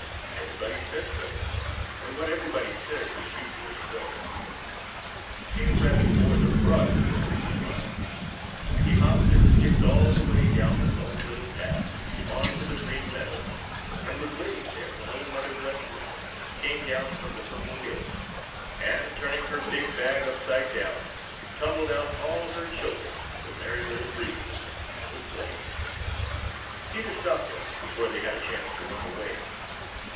Everybody said so, and what everybody says is usually so. Peter Rabbit wore the broadest kind of a smile. He hopped and skipped all the way down the Lone Little Path on to the Green Meadows and was waiting there when Old Mother West Wind came down from the Purple Hills and, turning her big bag upside down, tumbled out all her children, the Merry Little Breezes, to play. Peter stopped them before they had a chance to run away.